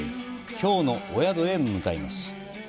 きょうのお宿へ向かいます。